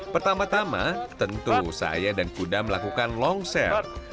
pertama tama tentu saya dan kuda melakukan long share